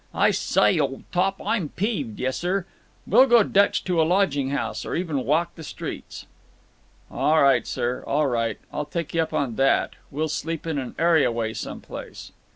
I sye, old top, I'm peeved; yessir. We'll go Dutch to a lodging house, or even walk the streets." "All right, sir; all right. I'll take you up on that. We'll sleep in an areaway some place."